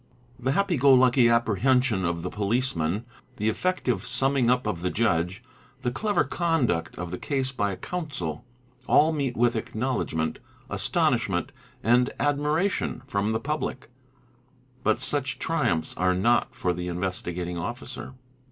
The happy go lucky apprehension of the policeman, the effective summing up of the judge, the clever conduct of the case by a counsel, all meet with acknowledgment, astonishment, and admiration from the public, but such triumphs are not for the Investigating Officer.